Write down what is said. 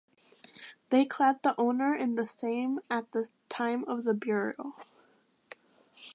They clad the owner in the same at the time of burial.